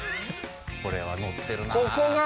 これは乗ってるなあ。